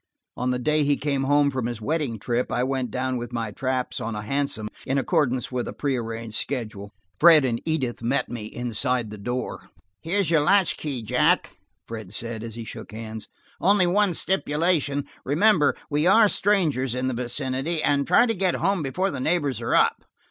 On the day he came home from his wedding trip, I went down with my traps on a hansom, in accordance with a prearranged schedule. Fred and Edith met me inside the door. "Here's your latch key, Jack," Fred said, as he shook hands. "Only one stipulation–remember we are strangers in the vicinity and try to get home before the neighbors are up.